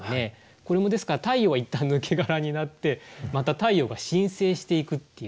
これもですから太陽はいったん抜け殻になってまた太陽が新生していくっていうのかな。